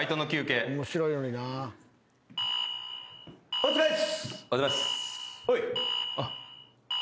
お疲れっす。